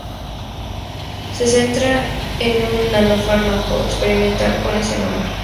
Se centra en un nano-fármaco experimental con ese nombre.